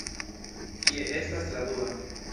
Kie estas la dua?